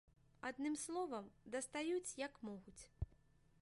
Адным словам, дастаюць як могуць.